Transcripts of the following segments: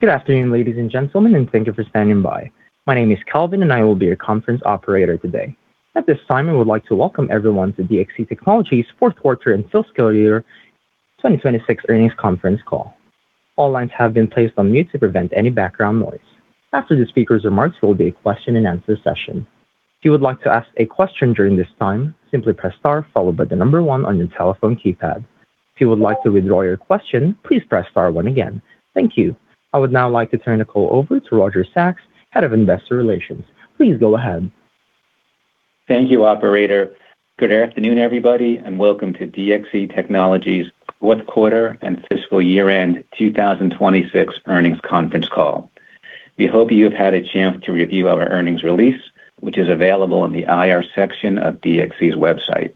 Good afternoon, ladies and gentlemen, and thank you for standing by. My name is Calvin, and I will be your conference operator today. At this time, I would like to welcome everyone to DXC Technology's fourth quarter and fiscal year 2026 earnings conference call. All lines have been placed on mute to prevent any background noise. After the speakers' remarks, there will be a question-and-answer session. If you would like to ask a question during this time, simply press star followed by the number one on your telephone keypad. If you would like to withdraw your question, please press star one again. Thank you. I would now like to turn the call over to Roger Sachs, Head of Investor Relations. Please go ahead. Thank you, operator. Good afternoon, everybody, and welcome to DXC Technology's fourth quarter and fiscal year-end 2026 earnings conference call. We hope you have had a chance to review our earnings release, which is available in the IR section of DXC's website.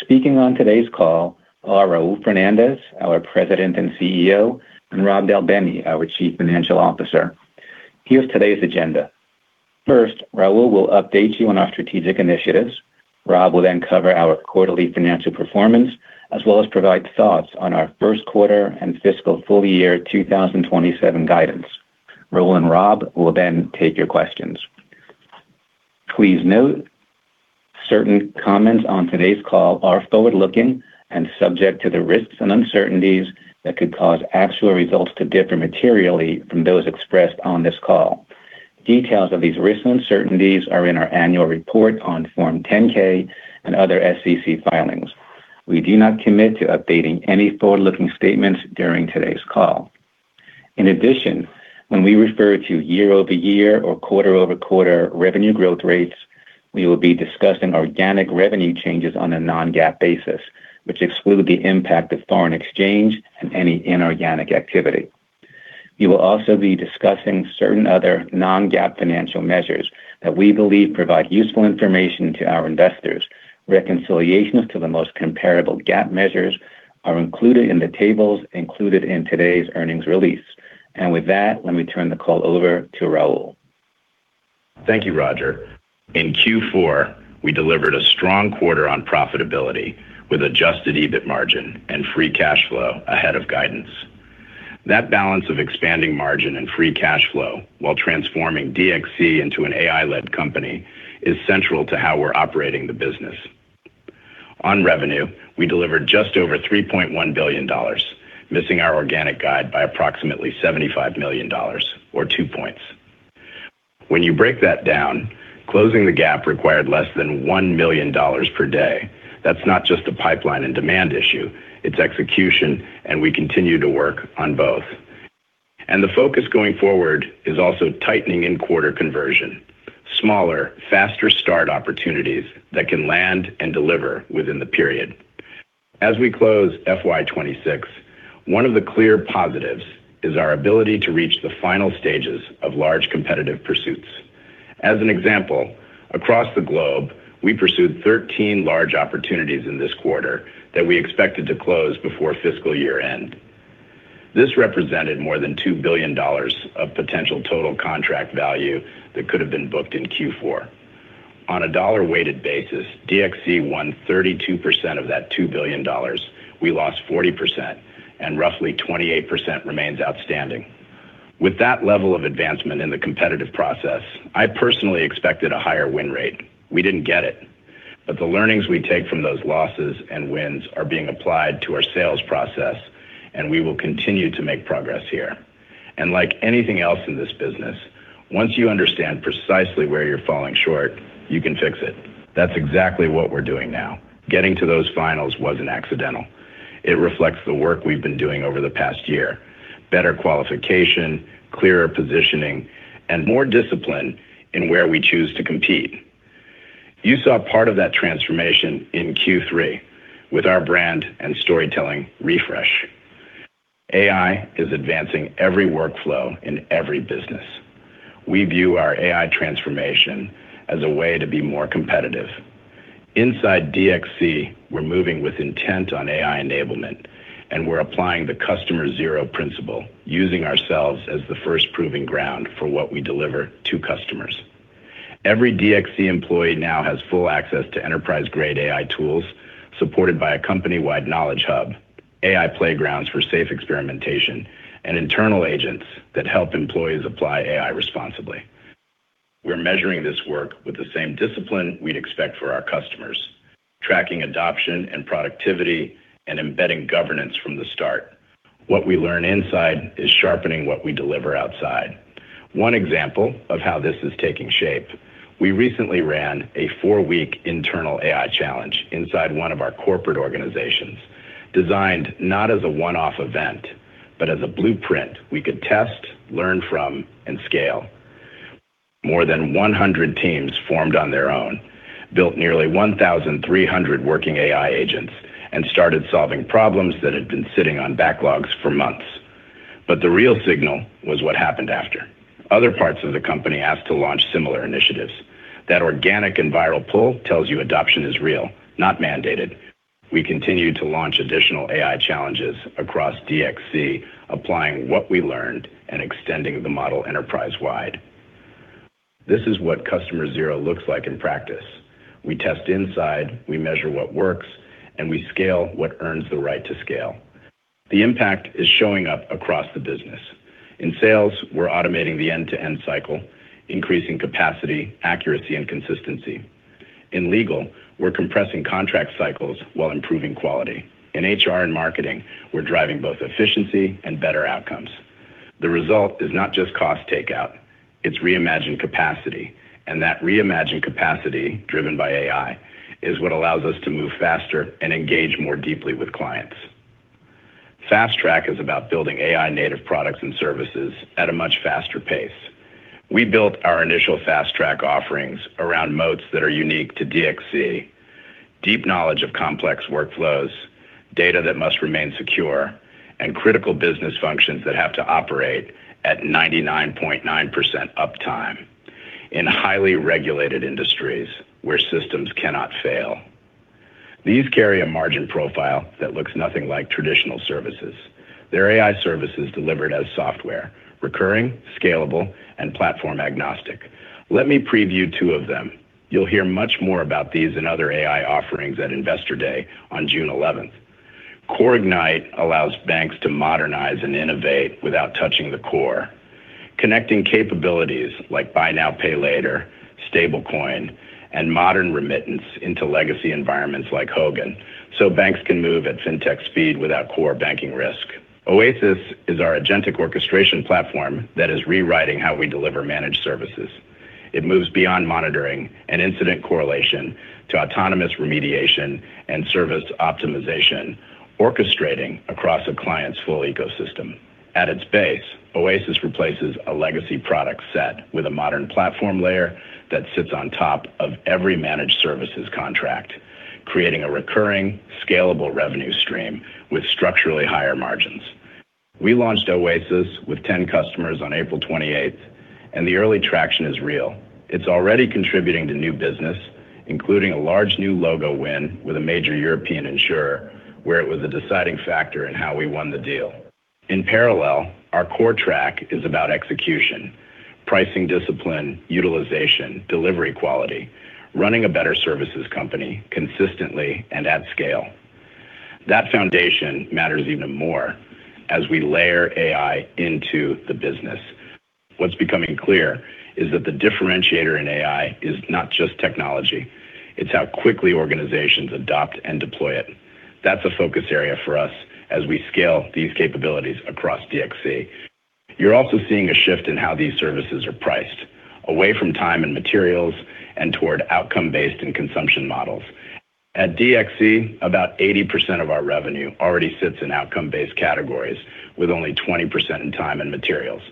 Speaking on today's call are Raul Fernandez, our President and CEO, and Rob Del Bene, our Chief Financial Officer. Here's today's agenda. First, Raul will update you on our strategic initiatives. Rob will cover our quarterly financial performance, as well as provide thoughts on our first quarter and fiscal full-year 2027 guidance. Raul and Rob will take your questions. Please note, certain comments on today's call are forward-looking and subject to the risks and uncertainties that could cause actual results to differ materially from those expressed on this call. Details of these risks and uncertainties are in our annual report on Form 10-K and other SEC filings. We do not commit to updating any forward-looking statements during today's call. In addition, when we refer to year-over-year or quarter-over-quarter revenue growth rates, we will be discussing organic revenue changes on a non-GAAP basis, which exclude the impact of foreign exchange and any inorganic activity. We will also be discussing certain other non-GAAP financial measures that we believe provide useful information to our investors. Reconciliations to the most comparable GAAP measures are included in the tables included in today's earnings release. With that, let me turn the call over to Raul. Thank you, Roger. In Q4, we delivered a strong quarter on profitability with adjusted EBIT margin and free cash flow ahead of guidance. That balance of expanding margin and free cash flow while transforming DXC into an AI-led company is central to how we're operating the business. On revenue, we delivered just over $3.1 billion, missing our organic guide by approximately $75 million or two points. When you break that down, closing the gap required less than $1 million per day. That's not just a pipeline and demand issue, it's execution, and we continue to work on both. The focus going forward is also tightening in-quarter conversion, smaller, faster start opportunities that can land and deliver within the period. As we close FY 2026, one of the clear positives is our ability to reach the final stages of large competitive pursuits. As an example, across the globe, we pursued 13 large opportunities in this quarter that we expected to close before fiscal year-end. This represented more than $2 billion of potential total contract value that could have been booked in Q4. On a dollar-weighted basis, DXC won 32% of that $2 billion. We lost 40%, and roughly 28% remains outstanding. With that level of advancement in the competitive process, I personally expected a higher win rate. We didn't get it, but the learnings we take from those losses and wins are being applied to our sales process, and we will continue to make progress here. Like anything else in this business, once you understand precisely where you're falling short, you can fix it. That's exactly what we're doing now. Getting to those finals wasn't accidental. It reflects the work we've been doing over the past year, better qualification, clearer positioning, and more discipline in where we choose to compete. You saw part of that transformation in Q3 with our brand and storytelling refresh. AI is advancing every workflow in every business. We view our AI transformation as a way to be more competitive. Inside DXC, we're moving with intent on AI enablement, and we're applying the Customer Zero principle, using ourselves as the first proving ground for what we deliver to customers. Every DXC employee now has full access to enterprise-grade AI tools supported by a company-wide knowledge hub, AI playgrounds for safe experimentation, and internal agents that help employees apply AI responsibly. We're measuring this work with the same discipline we'd expect for our customers, tracking adoption and productivity and embedding governance from the start. What we learn inside is sharpening what we deliver outside. One example of how this is taking shape, we recently ran a four-week internal AI challenge inside one of our corporate organizations, designed not as a one-off event, but as a blueprint we could test, learn from, and scale. More than 100 teams formed on their own, built nearly 1,300 working AI agents, and started solving problems that had been sitting on backlogs for months. The real signal was what happened after. Other parts of the company asked to launch similar initiatives. That organic and viral pull tells you adoption is real, not mandated. We continue to launch additional AI challenges across DXC, applying what we learned and extending the model enterprise-wide. This is what Customer Zero looks like in practice. We test inside, we measure what works, and we scale what earns the right to scale. The impact is showing up across the business. In sales, we're automating the end-to-end cycle, increasing capacity, accuracy, and consistency. In legal, we're compressing contract cycles while improving quality. In HR and marketing, we're driving both efficiency and better outcomes. The result is not just cost takeout, it's reimagined capacity. That reimagined capacity, driven by AI, is what allows us to move faster and engage more deeply with clients. Fast Track is about building AI-native products and services at a much faster pace. We built our initial Fast Track offerings around moats that are unique to DXC, deep knowledge of complex workflows, data that must remain secure, and critical business functions that have to operate at 99.9% uptime in highly regulated industries where systems cannot fail. These carry a margin profile that looks nothing like traditional services. They're AI services delivered as software, recurring, scalable, and platform-agnostic. Let me preview two of them. You'll hear much more about these and other AI offerings at Investor Day on June 11. CoreIgnite allows banks to modernize and innovate without touching the core, connecting capabilities like buy now, pay later, stablecoin, and modern remittance into legacy environments like Hogan, so banks can move at Fintech speed without core banking risk. OASIS is our agentic orchestration platform that is rewriting how we deliver managed services. It moves beyond monitoring and incident correlation to autonomous remediation and service optimization, orchestrating across a client's full ecosystem. At its base, OASIS replaces a legacy product set with a modern platform layer that sits on top of every managed services contract, creating a recurring, scalable revenue stream with structurally higher margins. We launched OASIS with 10 customers on April 28th, and the early traction is real. It's already contributing to new business, including a large new logo win with a major European insurer, where it was a deciding factor in how we won the deal. In parallel, our core track is about execution, pricing discipline, utilization, delivery quality, running a better services company consistently and at scale. That foundation matters even more as we layer AI into the business. What's becoming clear is that the differentiator in AI is not just technology, it's how quickly organizations adopt and deploy it. That's a focus area for us as we scale these capabilities across DXC. You're also seeing a shift in how these services are priced, away from time and materials and toward outcome-based and consumption models. At DXC, about 80% of our revenue already sits in outcome-based categories with only 20% in time and materials.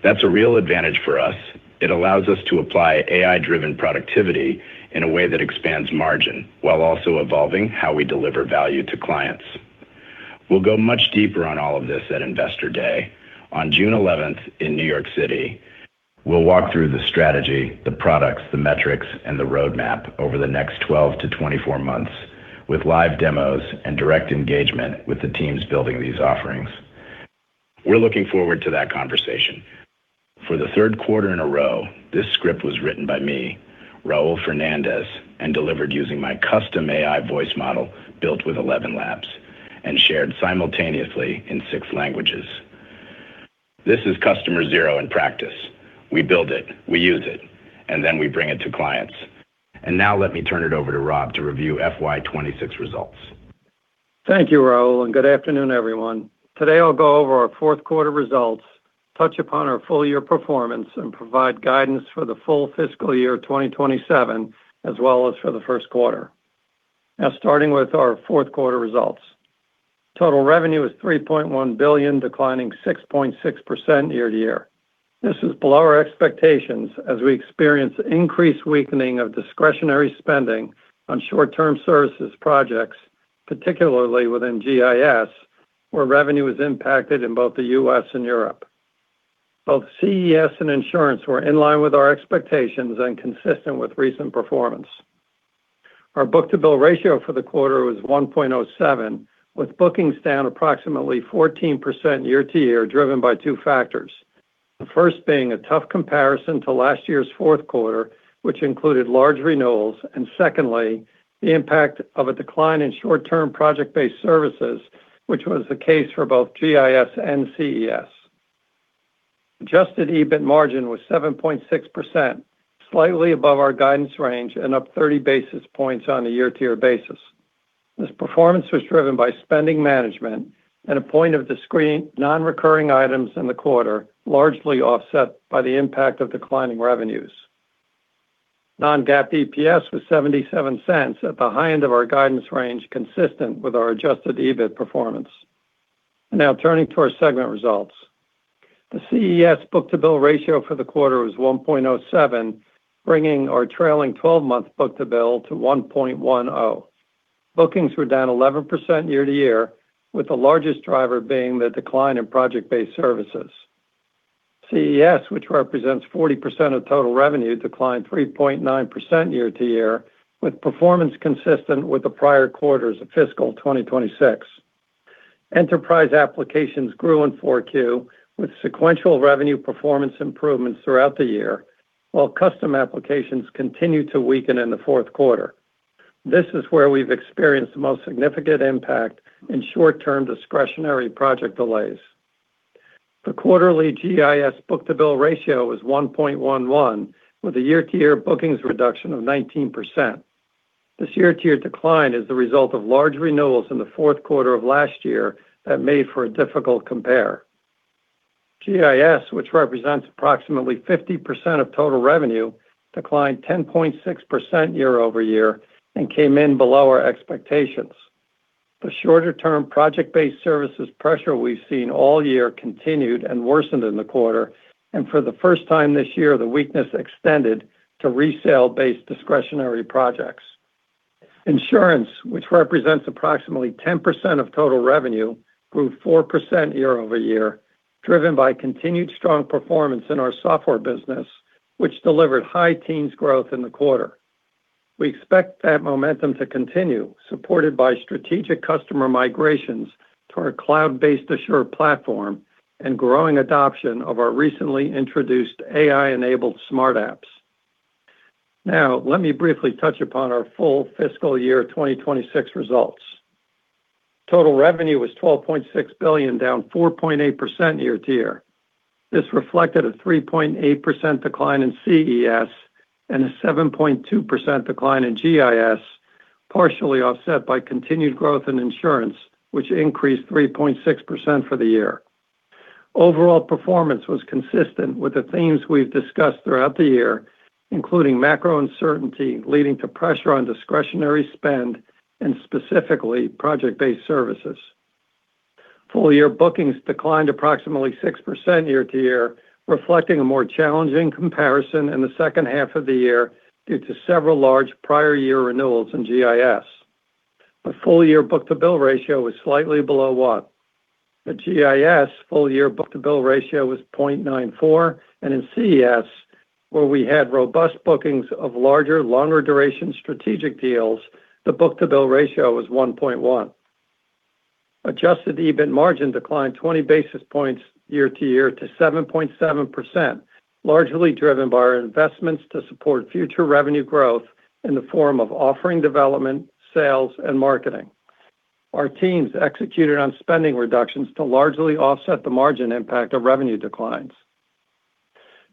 That's a real advantage for us. It allows us to apply AI-driven productivity in a way that expands margin while also evolving how we deliver value to clients. We'll go much deeper on all of this at Investor Day on June 11th in New York City. We'll walk through the strategy, the products, the metrics, and the roadmap over the next 12-24 months with live demos and direct engagement with the teams building these offerings. We're looking forward to that conversation. For the third quarter in a row, this script was written by me, Raul Fernandez, and delivered using my custom AI voice model built with ElevenLabs and shared simultaneously in six languages. This is Customer Zero in practice. We build it, we use it, and then we bring it to clients. Now let me turn it over to Rob to review FY 2026 results. Thank you, Raul, and good afternoon, everyone. Today, I'll go over our fourth quarter results, touch upon our full-year performance, and provide guidance for the full fiscal year 2027, as well as for the first quarter. Now, starting with our fourth quarter results. Total revenue is $3.1 billion, declining 6.6% year-over-year. This is below our expectations as we experience increased weakening of discretionary spending on short-term services projects, particularly within GIS, where revenue is impacted in both the U.S. and Europe. Both CES and insurance were in line with our expectations and consistent with recent performance. Our book-to-bill ratio for the quarter was 1.07, with bookings down approximately 14% year-to-year, driven by two factors. The first being a tough comparison to last year's fourth quarter, which included large renewals, and secondly, the impact of a decline in short-term project-based services, which was the case for both GIS and CES. Adjusted EBIT margin was 7.6%, slightly above our guidance range and up 30 basis points on a year-to-year basis. This performance was driven by spending management and a point-in-time non-recurring items in the quarter, largely offset by the impact of declining revenues. Non-GAAP EPS was $0.77 at the high end of our guidance range, consistent with our Adjusted EBIT performance. Turning to our segment results. The CES book-to-bill ratio for the quarter was 1.07, bringing our trailing 12-month book-to-bill to 1.10. Bookings were down 11% year-to-year, with the largest driver being the decline in project-based services. CES, which represents 40% of total revenue, declined 3.9% year-to-year, with performance consistent with the prior quarters of fiscal 2026. Enterprise applications grew in 4Q with sequential revenue performance improvements throughout the year, while custom applications continued to weaken in the fourth quarter. This is where we've experienced the most significant impact in short-term discretionary project delays. The quarterly GIS book-to-bill ratio was 1.11, with a year-to-year bookings reduction of 19%. This year-to-year decline is the result of large renewals in the fourth quarter of last year that made for a difficult compare. GIS, which represents approximately 50% of total revenue, declined 10.6% year-over-year and came in below our expectations. The shorter-term project-based services pressure we've seen all year continued and worsened in the quarter, and for the first time this year, the weakness extended to resale-based discretionary projects. Insurance, which represents approximately 10% of total revenue, grew 4% year-over-year, driven by continued strong performance in our software business, which delivered high teens growth in the quarter. We expect that momentum to continue, supported by strategic customer migrations to our cloud-based Assure platform and growing adoption of our recently introduced AI-enabled Smart Apps. Now, let me briefly touch upon our full fiscal year 2026 results. Total revenue was $12.6 billion, down 4.8% year-to-year. This reflected a 3.8% decline in CES and a 7.2% decline in GIS, partially offset by continued growth in insurance, which increased 3.6% for the year. Overall performance was consistent with the themes we've discussed throughout the year, including macro uncertainty leading to pressure on discretionary spend and specifically project-based services. Full-year bookings declined approximately 6% year-to-year, reflecting a more challenging comparison in the second half of the year due to several large prior year renewals in GIS. The full-year book-to-bill ratio was slightly below 1. The GIS full-year book-to-bill ratio was 0.94, and in CES, where we had robust bookings of larger, longer duration strategic deals, the book-to-bill ratio was 1.1. adjusted EBIT margin declined 20 basis points year-to-year to 7.7%, largely driven by our investments to support future revenue growth in the form of offering development, sales, and marketing. Our teams executed on spending reductions to largely offset the margin impact of revenue declines.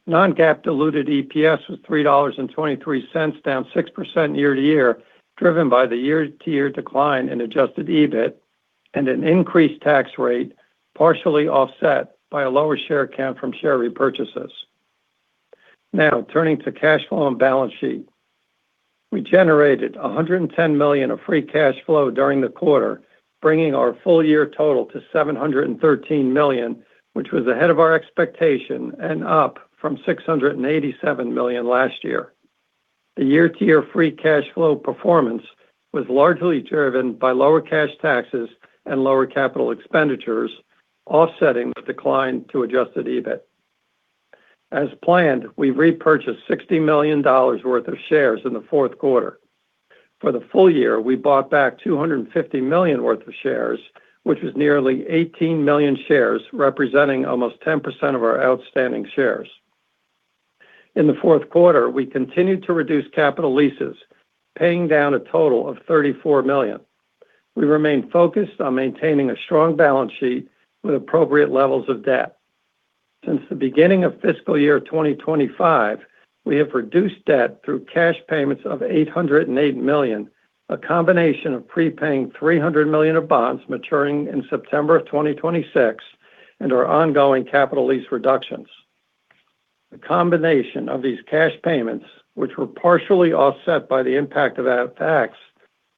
Non-GAAP diluted EPS was $3.23, down 6% year-to-year, driven by the year-to-year decline in adjusted EBIT and an increased tax rate, partially offset by a lower share count from share repurchases. Turning to cash flow and balance sheet. We generated $110 million of free cash flow during the quarter, bringing our full-year total to $713 million, which was ahead of our expectation and up from $687 million last year. The year-to-year free cash flow performance was largely driven by lower cash taxes and lower capital expenditures, offsetting the decline to adjusted EBIT. As planned, we repurchased $60 million worth of shares in the fourth quarter. For the full year, we bought back $250 million worth of shares, which was nearly 18 million shares, representing almost 10% of our outstanding shares. In the fourth quarter, we continued to reduce capital leases, paying down a total of $34 million. We remain focused on maintaining a strong balance sheet with appropriate levels of debt. Since the beginning of fiscal year 2025, we have reduced debt through cash payments of $808 million, a combination of prepaying $300 million of bonds maturing in September of 2026 and our ongoing capital lease reductions. The combination of these cash payments, which were partially offset by the impact of that tax,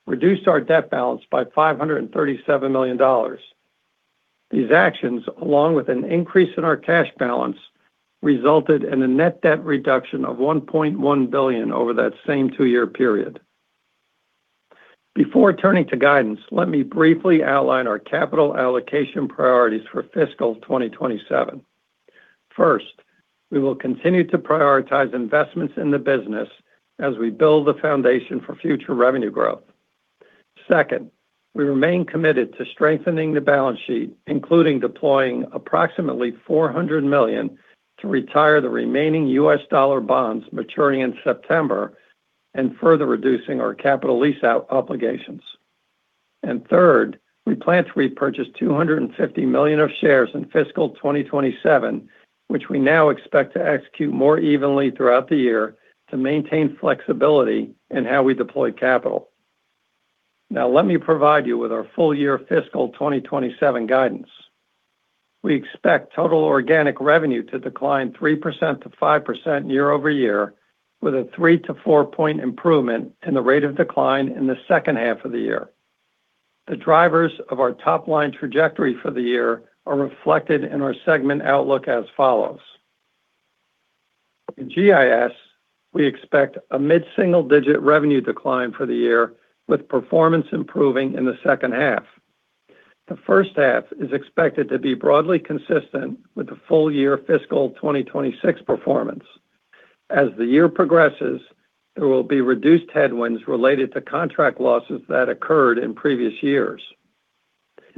reduced our debt balance by $537 million. These actions, along with an increase in our cash balance, resulted in a net debt reduction of $1.1 billion over that same two-year period. Before turning to guidance, let me briefly outline our capital allocation priorities for fiscal 2027. First, we will continue to prioritize investments in the business as we build the foundation for future revenue growth. Second, we remain committed to strengthening the balance sheet, including deploying approximately $400 million to retire the remaining U.S. dollar bonds maturing in September and further reducing our capital lease out obligations. Third, we plan to repurchase $250 million of shares in fiscal 2027, which we now expect to execute more evenly throughout the year to maintain flexibility in how we deploy capital. Let me provide you with our full-year fiscal 2027 guidance. We expect total organic revenue to decline 3%-5% year-over-year, with a 3-4 point improvement in the rate of decline in the second half of the year. The drivers of our top-line trajectory for the year are reflected in our segment outlook as follows. In GIS, we expect a mid-single-digit revenue decline for the year, with performance improving in the second half. The first half is expected to be broadly consistent with the full-year fiscal 2026 performance. As the year progresses, there will be reduced headwinds related to contract losses that occurred in previous years.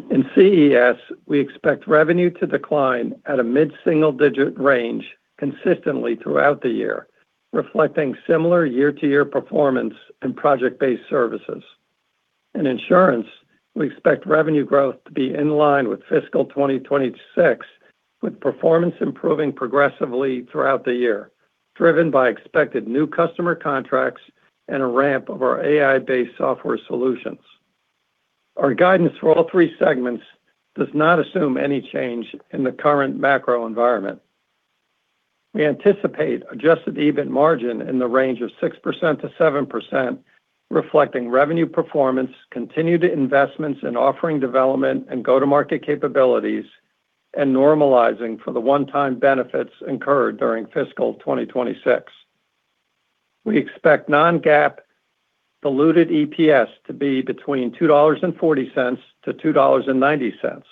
In CES, we expect revenue to decline at a mid-single-digit range consistently throughout the year, reflecting similar year-to-year performance in project-based services. In insurance, we expect revenue growth to be in line with fiscal 2026, with performance improving progressively throughout the year, driven by expected new customer contracts and a ramp of our AI-based software solutions. Our guidance for all three segments does not assume any change in the current macro environment. We anticipate adjusted EBIT margin in the range of 6%-7%, reflecting revenue performance, continued investments in offering development and go-to-market capabilities, and normalizing for the one-time benefits incurred during fiscal 2026. We expect non-GAAP diluted EPS to be between $2.40-$2.90.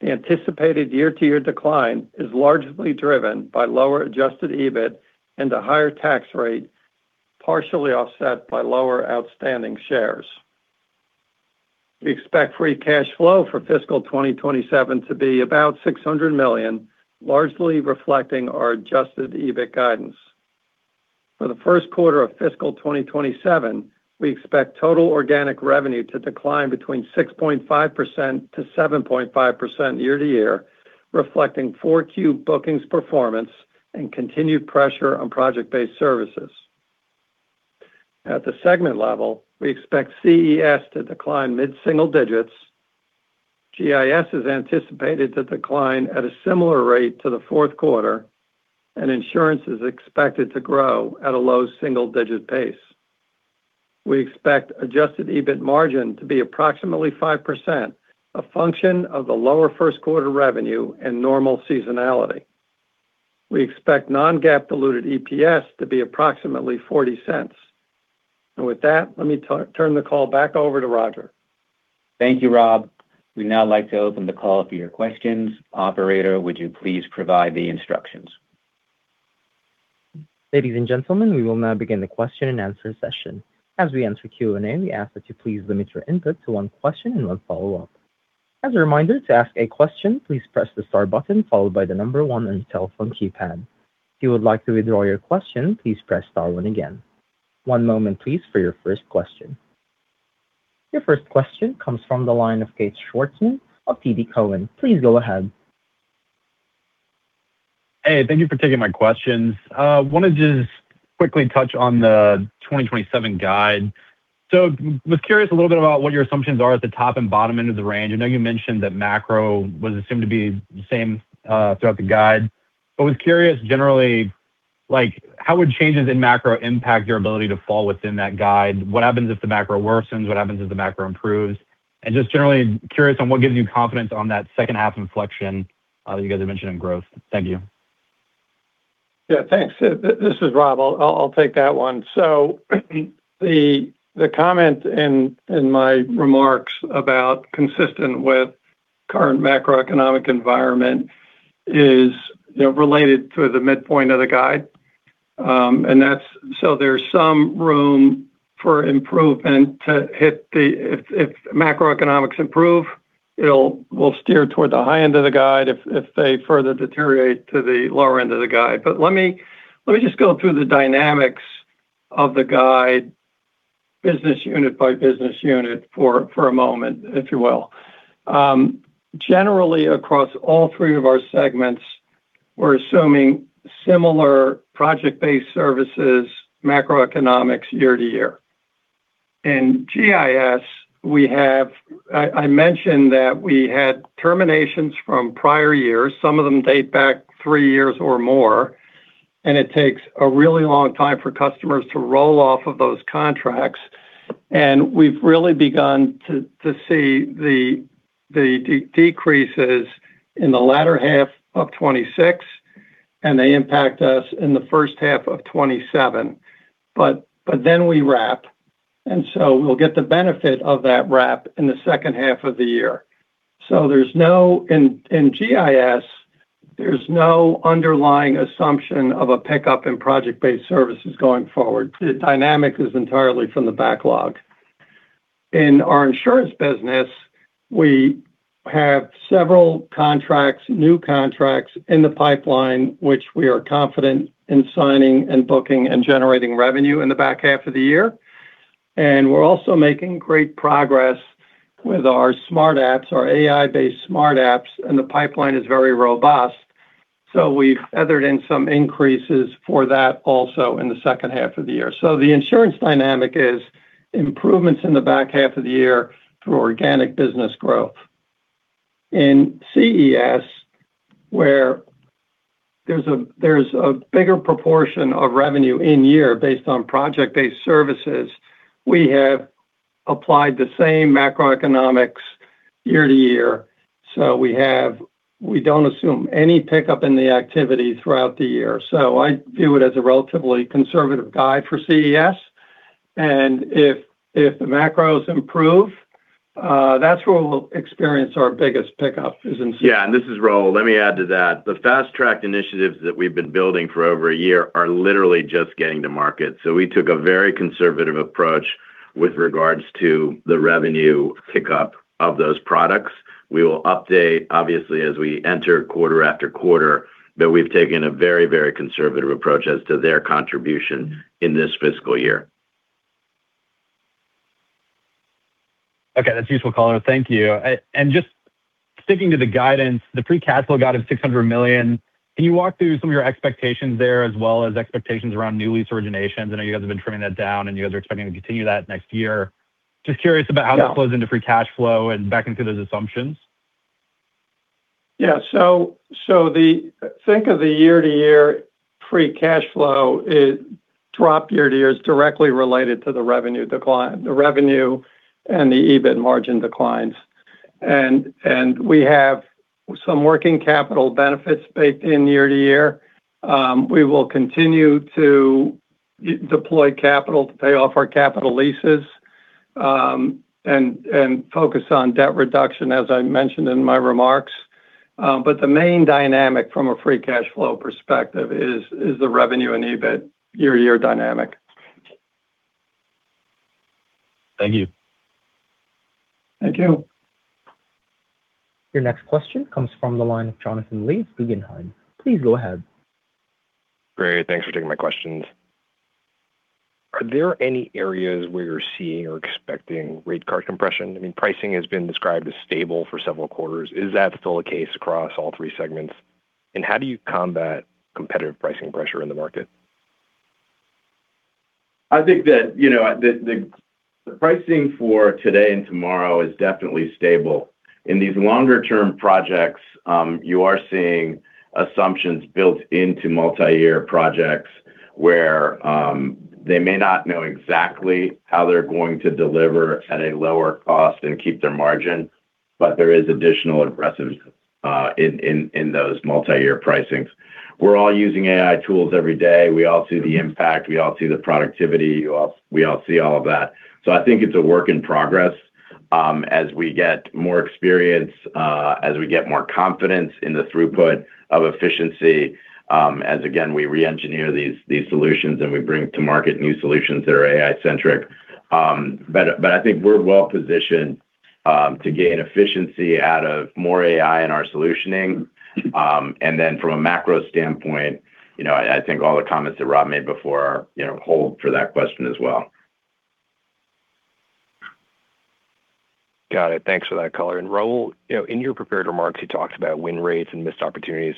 The anticipated year-to-year decline is largely driven by lower adjusted EBIT and a higher tax rate, partially offset by lower outstanding shares. We expect free cash flow for fiscal 2027 to be about $600 million, largely reflecting our adjusted EBIT guidance. For the first quarter of fiscal 2027, we expect total organic revenue to decline between 6.5%-7.5% year-to-year, reflecting 4Q bookings performance and continued pressure on project-based services. At the segment level, we expect CES to decline mid-single digits. GIS is anticipated to decline at a similar rate to the fourth quarter, and insurance is expected to grow at a low single-digit pace. We expect adjusted EBIT margin to be approximately 5%, a function of the lower first quarter revenue and normal seasonality. We expect non-GAAP diluted EPS to be approximately $0.40. With that, let me turn the call back over to Roger. Thank you, Rob. We'd now like to open the call for your questions. Operator, would you please provide the instructions? Ladies and gentlemen, we will now begin the question-and-answer session. As we enter Q&A, we ask that you please limit your input to one question and one follow-up. As a reminder, to ask a question, please press the star button followed by the number one on your telephone keypad. If you would like to withdraw your question, please press star one again. One moment, please, for your first question. Your first question comes from the line of [Kate Schwartzen] of TD Cowen. Please go ahead. Hey, thank you for taking my questions. Wanna just quickly touch on the 2027 guide. Was curious a little bit about what your assumptions are at the top and bottom end of the range. I know you mentioned that macro was assumed to be the same throughout the guide. Was curious generally, like, how would changes in macro impact your ability to fall within that guide? What happens if the macro worsens? What happens if the macro improves? Just generally curious on what gives you confidence on that second-half inflection that you guys are mentioning growth. Thank you. Thanks. This is Rob. I'll take that one. The comment in my remarks about consistent with current macroeconomic environment is, you know, related to the midpoint of the guide. And that's so there's some room for improvement to hit the if macroeconomics improve, we'll steer toward the high end of the guide. If they further deteriorate, to the lower end of the guide. Let me just go through the dynamics of the guide business unit by business unit for a moment, if you will. Generally, across all three of our segments, we're assuming similar project-based services macroeconomics year to year. In GIS, we have I mentioned that we had terminations from prior years. Some of them date back three years or more, and it takes a really long time for customers to roll off of those contracts. We've really begun to see the decreases in the latter half of 2026, and they impact us in the first half of 2027. We wrap. We'll get the benefit of that wrap in the second half of the year. In GIS, there's no underlying assumption of a pickup in project-based services going forward. The dynamic is entirely from the backlog. In our insurance business, we have several contracts, new contracts in the pipeline, which we are confident in signing and booking and generating revenue in the back half of the year. We're also making great progress with our Smart Apps, our AI-based Smart Apps, and the pipeline is very robust, so we feathered in some increases for that also in the second half of the year. The insurance dynamic is improvements in the back half of the year through organic business growth. In CES, where there's a bigger proportion of revenue in year based on project-based services, we have applied the same macroeconomics year to year, so we don't assume any pickup in the activity throughout the year. I view it as a relatively conservative guide for CES. If the macros improve, that's where we'll experience our biggest pickup. Yeah, this is Raul Fernandez. Let me add to that. The Fast Track initiatives that we've been building for over one year are literally just getting to market. We took a very conservative approach with regards to the revenue pickup of those products. We will update obviously as we enter quarter after quarter, but we've taken a very, very conservative approach as to their contribution in this fiscal year. Okay. That's useful, color. Thank you. Just sticking to the guidance, the free cash flow guide of $600 million, can you walk through some of your expectations there as well as expectations around new lease originations? I know you guys have been trimming that down, you guys are expecting to continue that next year. Yeah. how that flows into free cash flow and back into those assumptions. Yeah. Think of the year-to-year free cash flow is dropped year-to-year is directly related to the revenue decline, the revenue and the EBIT margin declines. We have some working capital benefits baked in year-to-year. We will continue to deploy capital to pay off our capital leases and focus on debt reduction, as I mentioned in my remarks. The main dynamic from a free cash flow perspective is the revenue and EBIT year-to-year dynamic. Thank you. Thank you. Your next question comes from the line of Jonathan Lee, Guggenheim. Please go ahead. Great. Thanks for taking my questions. Are there any areas where you're seeing or expecting rate card compression? I mean, pricing has been described as stable for several quarters. Is that still the case across all three segments? How do you combat competitive pricing pressure in the market? I think that, you know, the pricing for today and tomorrow is definitely stable. In these longer-term projects, you are seeing assumptions built into multiyear projects where they may not know exactly how they're going to deliver at a lower cost and keep their margin, but there is additional aggressiveness in those multiyear pricings. We're all using AI tools every day. We all see the impact. We all see the productivity. We all see all of that. I think it's a work in progress. As we get more experience, as we get more confidence in the throughput of efficiency, as again, we re-engineer these solutions and we bring to market new solutions that are AI-centric. I think we're well positioned to gain efficiency out of more AI in our solutioning. Then from a macro standpoint, you know, I think all the comments that Rob made before, you know, hold for that question as well. Got it. Thanks for that color. Raul, you know, in your prepared remarks, you talked about win rates and missed opportunities.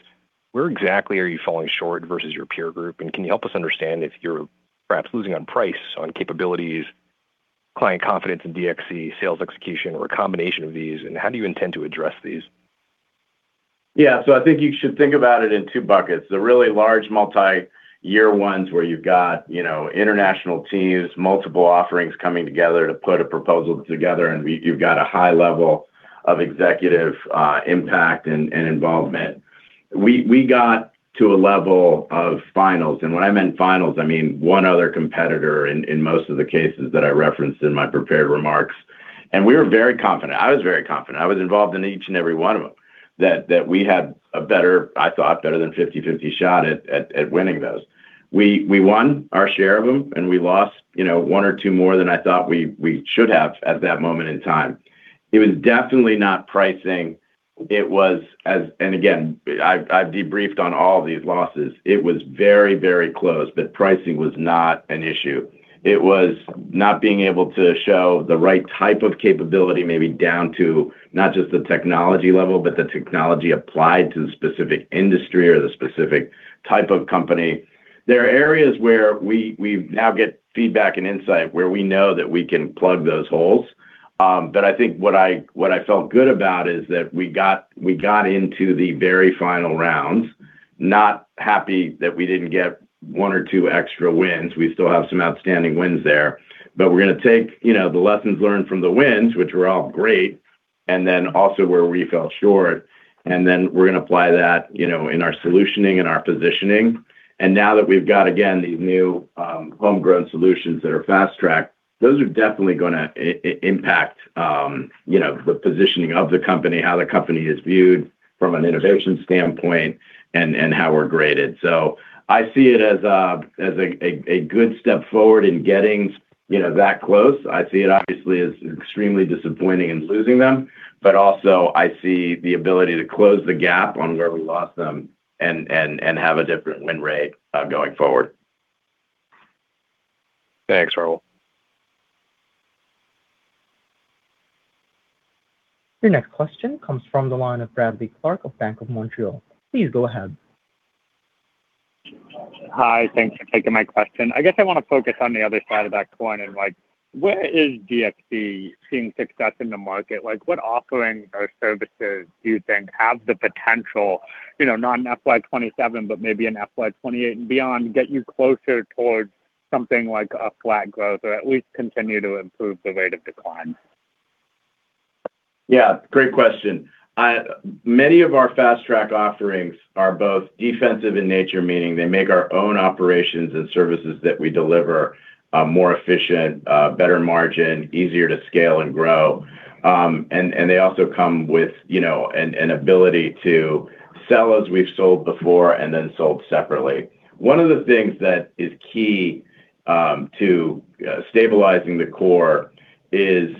Where exactly are you falling short versus your peer group? Can you help us understand if you're perhaps losing on price, on capabilities, client confidence in DXC sales execution, or a combination of these, and how do you intend to address these? Yeah. I think you should think about it in two buckets. The really large multiyear ones where you've got, you know, international teams, multiple offerings coming together to put a proposal together, and we've got a high level of executive impact and involvement. We got to a level of finals. When I meant finals, I mean one other competitor in most of the cases that I referenced in my prepared remarks. We were very confident. I was very confident. I was involved in each and every one of them that we had a better, I thought, better than 50/50 shot at winning those. We won our share of them, and we lost, you know, one or two more than I thought we should have at that moment in time. It was definitely not pricing. It was again, I've debriefed on all these losses. It was very close, pricing was not an issue. It was not being able to show the right type of capability, maybe down to not just the technology level, but the technology applied to the specific industry or the specific type of company. There are areas where we now get feedback and insight where we know that we can plug those holes. I think what I felt good about is that we got into the very final rounds, not happy that we didn't get one or two extra wins. We still have some outstanding wins there. We're gonna take, you know, the lessons learned from the wins, which were all great, and then also where we fell short, and then we're gonna apply that, you know, in our solutioning and our positioning. Now that we've got, again, these new homegrown solutions that are fast-tracked, those are definitely gonna impact, you know, the positioning of the company, how the company is viewed from an innovation standpoint, and how we're graded. I see it as a good step forward in getting, you know, that close. I see it obviously as extremely disappointing in losing them, but also I see the ability to close the gap on where we lost them and have a different win rate going forward. Thanks, Raul. Your next question comes from the line of Bradley Clark of Bank of Montreal. Please go ahead. Hi. Thanks for taking my question. I guess I want to focus on the other side of that coin and, like, where is DXC seeing success in the market? Like, what offerings or services do you think have the potential, you know, not in FY 2027, but maybe in FY 2028 and beyond, get you closer towards something like a flat growth or at least continue to improve the rate of decline? Yeah, great question. Many of our Fast Track offerings are both defensive in nature, meaning they make our own operations and services that we deliver more efficient, better margin, easier to scale and grow. They also come with, you know, an ability to sell as we've sold before and then sold separately. One of the things that is key to stabilizing the core is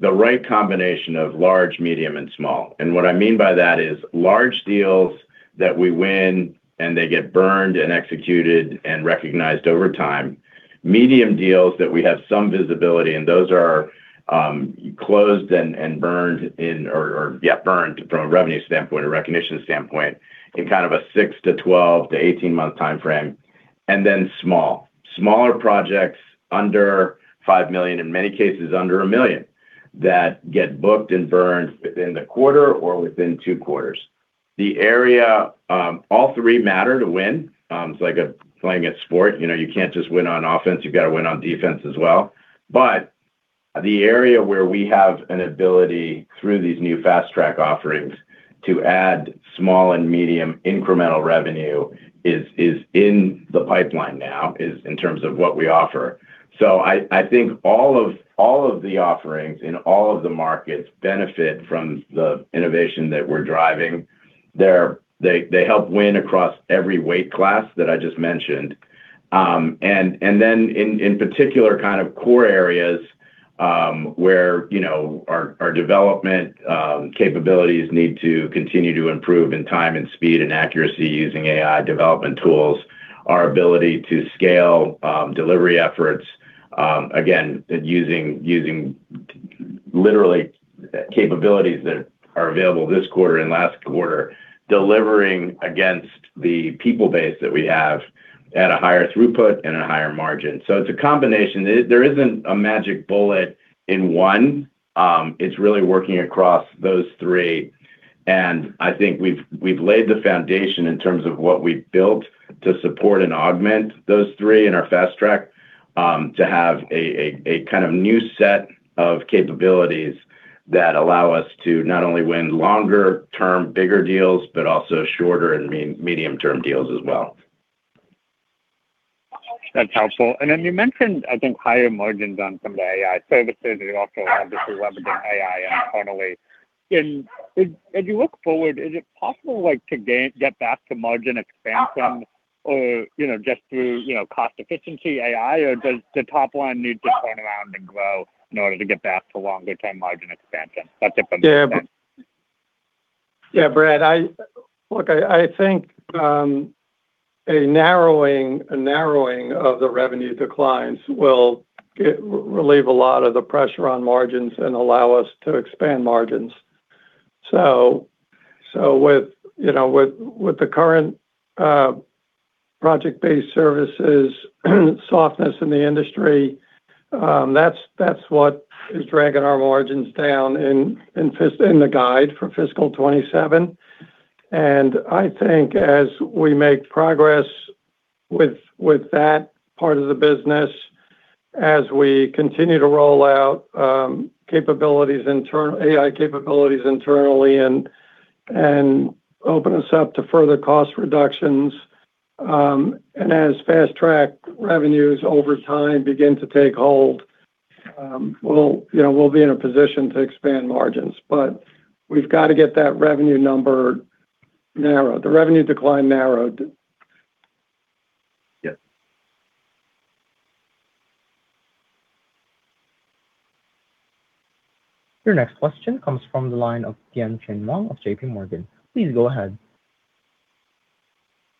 the right combination of large, medium, and small. What I mean by that is large deals that we win and they get burned and executed and recognized over time. Medium deals that we have some visibility, and those are closed and burned in or yeah, burned from a revenue standpoint or recognition standpoint in kind of a six to 12 to 18-month timeframe. Then small. Smaller projects under $5 million, in many cases under $1 million, that get booked and burned within the quarter or within two quarters. The area, all three matter to win. It's like playing a sport. You know, you can't just win on offense. You've got to win on defense as well. The area where we have an ability through these new Fast Track offerings to add small and medium incremental revenue is in the pipeline now in terms of what we offer. I think all of the offerings in all of the markets benefit from the innovation that we're driving. They help win across every weight class that I just mentioned. Then in particular kind of core areas, where, you know, our development capabilities need to continue to improve in time and speed and accuracy using AI development tools. Our ability to scale delivery efforts, again, using literally capabilities that are available this quarter and last quarter, delivering against the people base that we have at a higher throughput and a higher margin. It's a combination. There isn't a magic bullet in one. It's really working across those three. I think we've laid the foundation in terms of what we've built to support and augment those three in our Fast Track, to have a, a kind of new set of capabilities that allow us to not only win longer-term, bigger deals, but also shorter and medium-term deals as well. That's helpful. Then you mentioned, I think, higher margins on some of the AI services. You also have this leverage in AI internally. If you look forward, is it possible to get back to margin expansion or, you know, just through, you know, cost efficiency AI? Does the top line need to turn around and grow in order to get back to longer-term margin expansion? That's it from me. Yeah, Brad, I think a narrowing of the revenue declines will relieve a lot of the pressure on margins and allow us to expand margins. With, you know, with the current project-based services softness in the industry, that's what is dragging our margins down in the guide for fiscal 2027. I think as we make progress with that part of the business, as we continue to roll out AI capabilities internally and open us up to further cost reductions, and as Fast Track revenues over time begin to take hold, we'll, you know, we'll be in a position to expand margins. We've got to get that revenue number narrowed, the revenue decline narrowed. Yeah. Your next question comes from the line of Tien-Tsin Huang of JPMorgan. Please go ahead.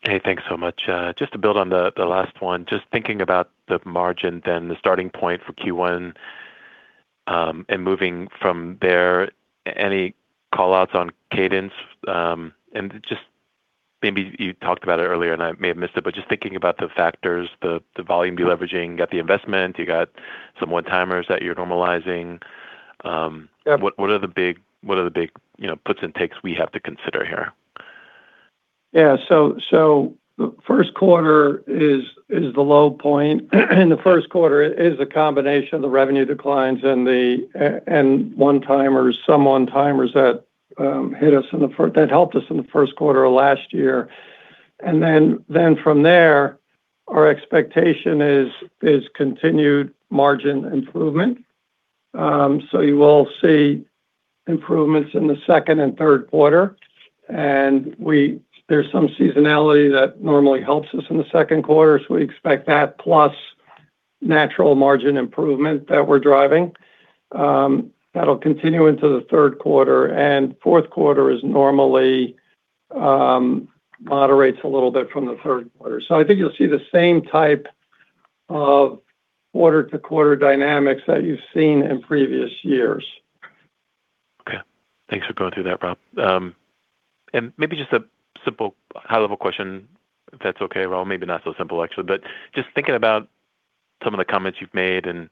Hey, thanks so much. Just to build on the last one, just thinking about the margin then the starting point for Q1, moving from there. Any call-outs on cadence? Just maybe you talked about it earlier, and I may have missed it, but just thinking about the factors: the volume deleveraging, the investment, some one-timers that you're normalizing. Yeah. What are the big, you know, puts and takes we have to consider here? First quarter is the low point. The first quarter is a combination of the revenue declines and some one-timers that helped us in the first quarter of last year. From there, our expectation is continued margin improvement. You will see improvements in the second and third quarter. There's some seasonality that normally helps us in the second quarter, we expect that plus natural margin improvement that we're driving. That'll continue into the third quarter. Fourth quarter is normally moderates a little bit from the third quarter. I think you'll see the same type of quarter-to-quarter dynamics that you've seen in previous years. Okay. Thanks for going through that, Rob. Maybe just a simple high-level question, if that's okay, Raul. Maybe not so simple, actually. Just thinking about some of the comments you've made and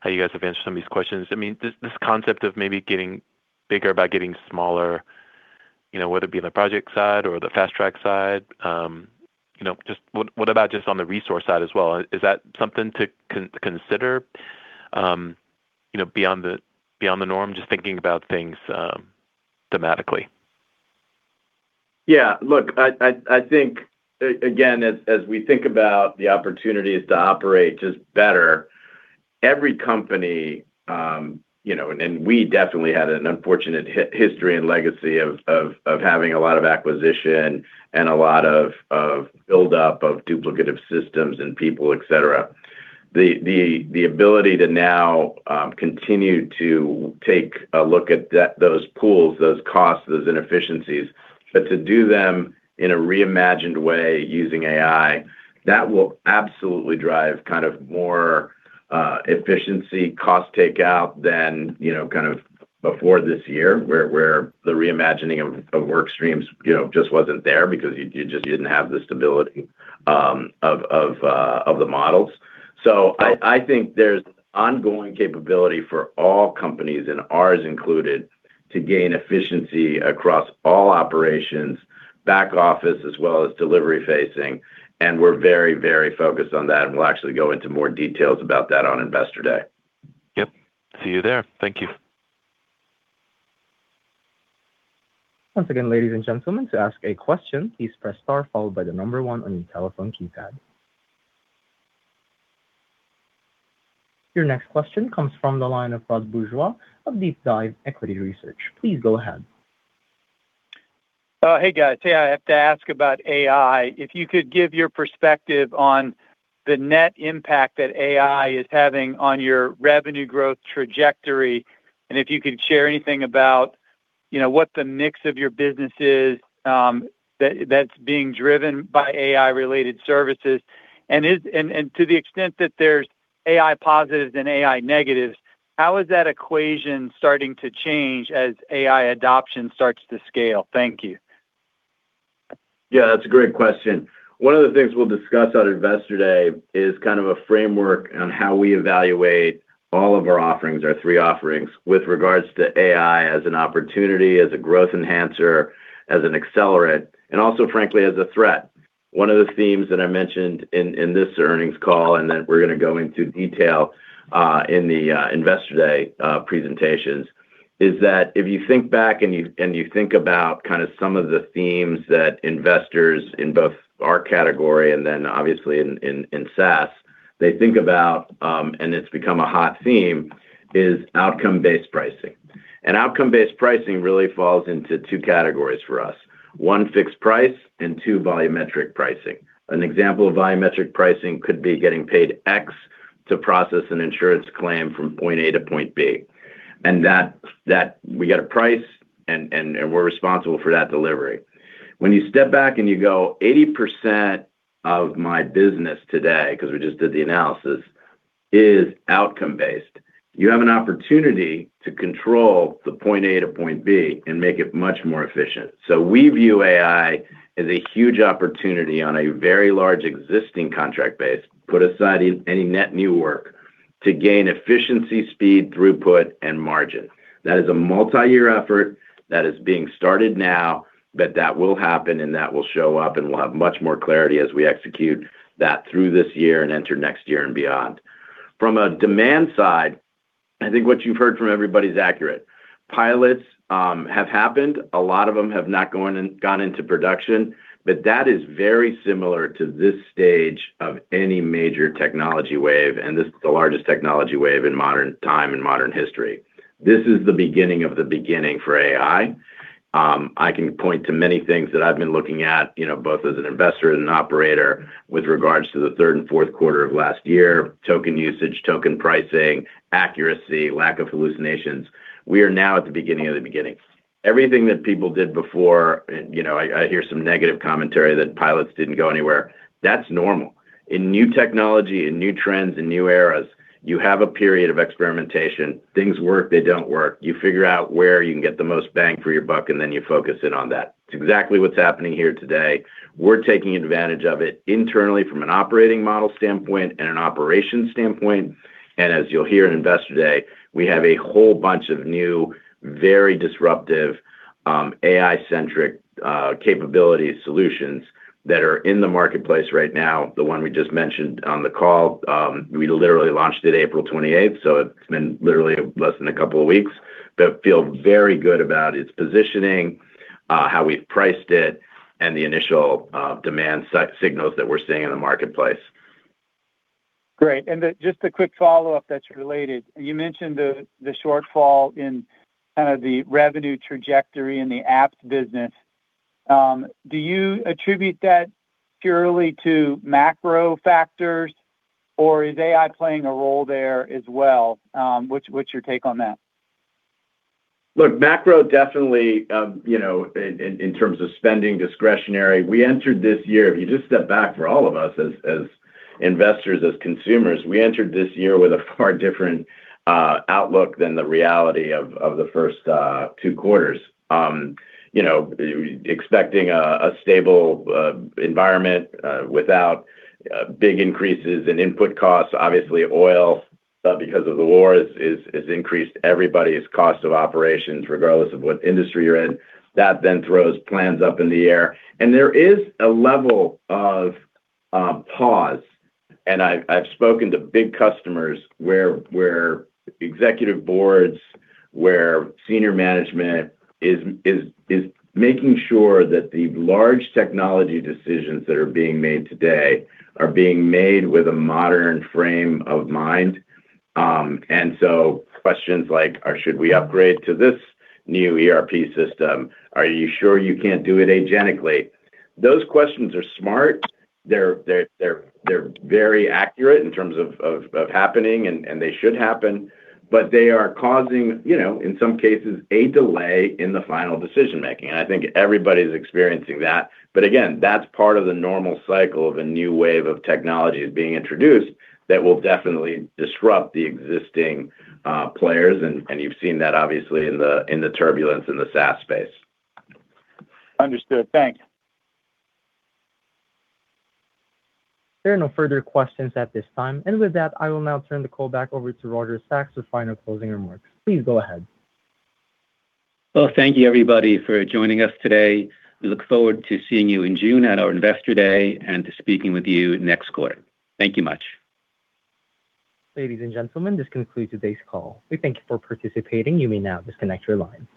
how you guys have answered some of these questions. I mean, this concept of maybe getting bigger by getting smaller-You know, whether it be the project side or the Fast Track side, you know, just what about just on the resource side as well? Is that something to consider, you know, beyond the norm, just thinking about things thematically? Yeah. Look, I, I think again, as we think about the opportunities to operate just better, every company, you know, and we definitely had an unfortunate history and legacy of having a lot of acquisition and a lot of buildup of duplicative systems and people, et cetera. The ability to now continue to take a look at those pools, those costs, those inefficiencies, but to do them in a reimagined way using AI, that will absolutely drive kind of more efficiency, cost takeout than, you know, kind of before this year, where the reimagining of work streams, you know, just wasn't there because you just didn't have the stability of the models. I think there's ongoing capability for all companies, and ours included, to gain efficiency across all operations, back office as well as delivery-facing, and we're very, very focused on that, and we'll actually go into more details about that on Investor Day. Yep. See you there. Thank you. Once again, ladies and gentlemen, to ask a question, please press star followed by the number one on your telephone keypad. Your next question comes from the line of Rod Bourgeois of DeepDive Equity Research. Please go ahead. Hey, guys. Hey, I have to ask about AI. If you could give your perspective on the net impact that AI is having on your revenue growth trajectory, and if you could share anything about, you know, what the mix of your business is, that's being driven by AI-related services. To the extent that there's AI positives and AI negatives, how is that equation starting to change as AI adoption starts to scale? Thank you. Yeah, that's a great question. One of the things we'll discuss at Investor Day is kind of a framework on how we evaluate all of our offerings, our three offerings, with regards to AI as an opportunity, as a growth enhancer, as an accelerant, and also, frankly, as a threat. One of the themes that I mentioned in this earnings call, and that we're gonna go into detail in the Investor Day presentations, is that if you think back and you, and you think about kinda some of the themes that investors in both our category and then obviously in SaaS, they think about, and it's become a hot theme, is outcome-based pricing. Outcome-based pricing really falls into two categories for us: one, fixed price, and two, volumetric pricing. An example of volumetric pricing could be getting paid X to process an insurance claim from point A to point B, and that we get a price and we're responsible for that delivery. When you step back and you go, 80% of my business today, 'cause we just did the analysis, is outcome based, you have an opportunity to control the point A to point B and make it much more efficient. We view AI as a huge opportunity on a very large existing contract base, put aside any net new work, to gain efficiency, speed, throughput, and margin. That is a multiyear effort that is being started now, but that will happen, and that will show up, and we'll have much more clarity as we execute that through this year and enter next year and beyond. From a demand side, I think what you've heard from everybody is accurate. Pilots have happened. A lot of them have not gone into production, but that is very similar to this stage of any major technology wave, and this is the largest technology wave in modern time, in modern history. This is the beginning of the beginning for AI. I can point to many things that I've been looking at, you know, both as an investor and an operator with regards to the third and fourth quarter of last year: token usage, token pricing, accuracy, lack of hallucinations. We are now at the beginning of the beginning. Everything that people did before, you know, I hear some negative commentary that pilots didn't go anywhere, that's normal. In new technology, in new trends, in new eras, you have a period of experimentation. Things work, they don't work. You figure out where you can get the most bang for your buck, and then you focus in on that. It's exactly what's happening here today. We're taking advantage of it internally from an operating model standpoint and an operations standpoint, and as you'll hear at Investor Day, we have a whole bunch of new, very disruptive, AI-centric, capability solutions that are in the marketplace right now. The one we just mentioned on the call, we literally launched it April 28th, so it's been literally less than a couple of weeks, but feel very good about its positioning, how we've priced it, and the initial demand signals that we're seeing in the marketplace. Great. Just a quick follow-up that's related. You mentioned the shortfall in kind of the revenue trajectory in the apps business. Do you attribute that purely to macro factors, or is AI playing a role there as well? What's your take on that? Look, macro definitely, you know, in terms of spending discretionary, we entered this year, if you just step back for all of us as investors, as consumers, we entered this year with a far different outlook than the reality of the first two quarters. You know, expecting a stable environment without big increases in input costs. Obviously oil, because of the war is increased everybody's cost of operations regardless of what industry you're in. That throws plans up in the air. There is a level of pause, and I've spoken to big customers where executive boards, where senior management is making sure that the large technology decisions that are being made today are being made with a modern frame of mind. Questions like, Should we upgrade to this new ERP system? Are you sure you can't do it agentically? Those questions are smart. They're very accurate in terms of happening, and they should happen, but they are causing, you know, in some cases, a delay in the final decision-making, and I think everybody's experiencing that. Again, that's part of the normal cycle of a new wave of technologies being introduced that will definitely disrupt the existing players and you've seen that obviously in the turbulence in the SaaS space. Understood. Thanks. There are no further questions at this time. With that, I will now turn the call back over to Roger Sachs for final closing remarks. Please go ahead. Well, thank you, everybody, for joining us today. We look forward to seeing you in June at our Investor Day and to speaking with you next quarter. Thank you much. Ladies and gentlemen, this concludes today's call. We thank you for participating. You may now disconnect your lines.